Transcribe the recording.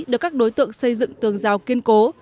được các đối tượng xây dựng tường rào kiên cố